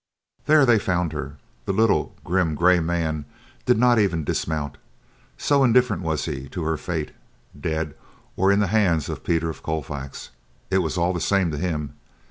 There they found her. The little, grim, gray man did not even dismount, so indifferent was he to her fate; dead or in the hands of Peter of Colfax, it was all the same to him.